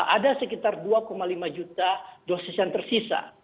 ada sekitar dua lima juta dosis yang tersisa